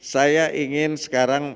saya ingin sekarang